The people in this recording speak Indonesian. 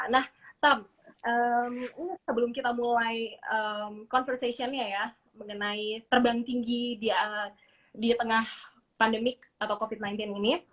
nah tam sebelum kita mulai conversation nya ya mengenai terbang tinggi di tengah pandemik atau covid sembilan belas ini